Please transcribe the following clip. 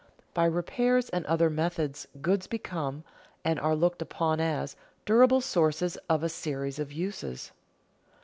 By repairs and other methods goods become, and are looked upon as, durable sources of a series of uses.